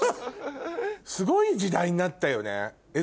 すごい時代になったよね。